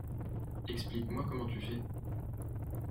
Explique-moi comment tu fais.